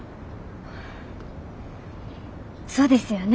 そうですよね。